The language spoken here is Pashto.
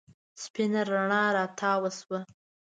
سپېنه رڼا راتاو شوه.